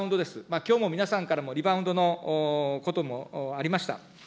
きょうも皆さんからもリバウンドのこともありました。